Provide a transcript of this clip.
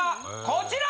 こちら！